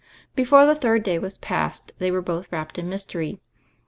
Before the third day was passed they were both wrapped in mystery.